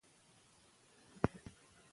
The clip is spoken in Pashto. برېښنا دلته ډېره ارزانه ده.